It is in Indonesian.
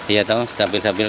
ya tau stabil stabil